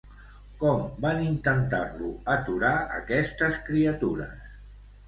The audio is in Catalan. Com van intentar-lo aturar aquestes criatures?